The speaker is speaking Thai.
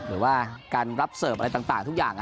หรือว่าการรับเสิร์ฟอะไรต่างต่างทุกอย่างนะครับ